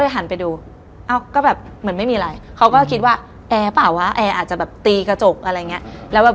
แต่ไม่ได้กลัว